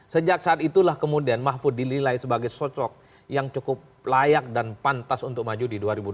sejak saat itulah kemudian mahfud dinilai sebagai sosok yang cukup layak dan pantas untuk maju di dua ribu dua puluh